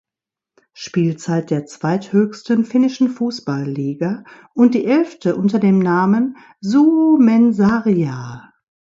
Spielzeit der zweithöchsten finnischen Fußballliga und die elfte unter dem Namen Suomensarja.